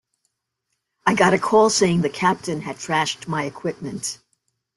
I got a call saying the captain had trashed my equipment.